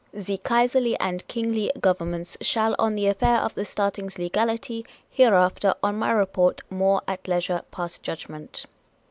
" The Kaiserly and Kingly Governments shall on the affair of the starting's legality hereafter on my report more at leisure pass judgment."